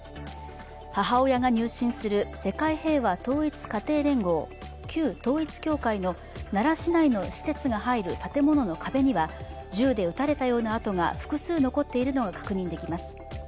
母親が入信する世界平和統一家庭連合、旧統一教会の奈良市内の施設が入る建物の壁には銃で撃たれたような跡が複数残っているのが確認できます。